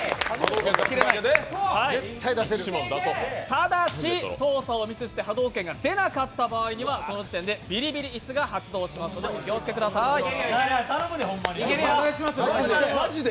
ただし、操作をミスして波動拳が出なかった場合には、その時点でビリビリ椅子が発動しますので、よろしくお願いします。